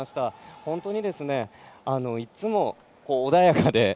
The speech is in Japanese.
本当にいつも穏やかで。